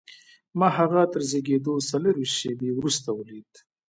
ما هغه تر زېږېدو څلرویشت شېبې وروسته ولید